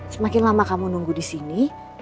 semakin lama kamu nunggu disini